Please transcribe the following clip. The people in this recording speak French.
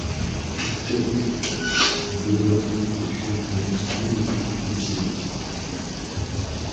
L'astérisque dénote les chansons inédites du film.